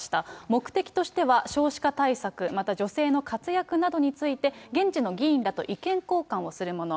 目的としては、少子化対策、また女性の活躍などについて、現地の議員らと意見交換をするもの。